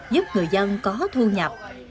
giúp người dân có thu nhập